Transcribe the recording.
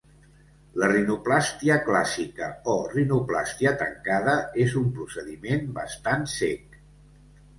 La rinoplàstia clàssica, o rinoplàstia tancada, és un procediment bastant cec.